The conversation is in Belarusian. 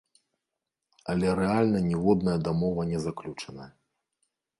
Але рэальна ніводная дамова не заключаная.